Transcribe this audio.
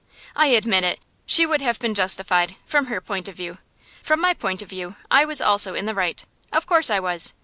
I admit it; she would have been justified from her point of view. From my point of view I was also in the right; of course I was.